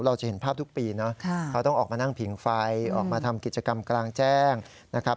เราจะเห็นภาพทุกปีเนอะเขาต้องออกมานั่งผิงไฟออกมาทำกิจกรรมกลางแจ้งนะครับ